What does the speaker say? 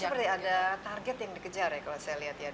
jadi seperti ada target yang dikejar ya kalau saya lihat ya